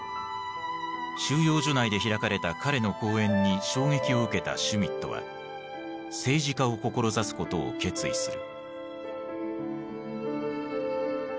収容所内で開かれた彼の講演に衝撃を受けたシュミットは政治家を志すことを決意する。